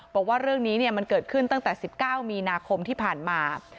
บอกว่าเรื่องนี้มันเกิดขึ้นตั้งแต่๑๙มีนาคมที่ผ่านมา